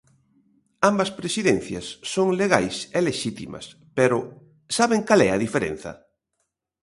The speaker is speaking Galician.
Ambas presidencias son legais e lexítimas, pero ¿saben cal é a diferenza?